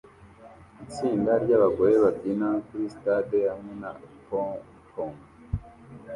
Itsinda ryabagore babyina kuri stade hamwe na pompom